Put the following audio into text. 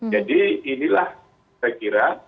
jadi inilah saya kira